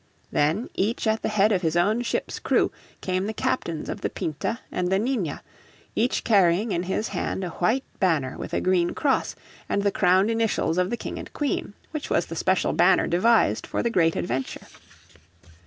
Then, each at the head of his own ship's crew, came the captains of the Pinta and the Nina, each carrying in his hand a white banner with a green cross and the crowned initials of the King and Queen, which was the special banner devised for the great adventure.